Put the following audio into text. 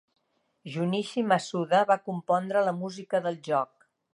Junichi Masuda va compondre la música del joc.